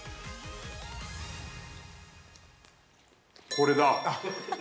これだ！